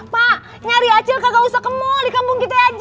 pak nyari acil kak gak usah ke mall di kampung kita aja